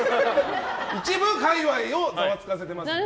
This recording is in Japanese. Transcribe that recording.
一部界隈をざわつかせてます。